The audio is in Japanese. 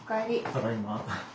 ただいま。